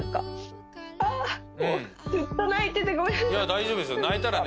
大丈夫ですよ。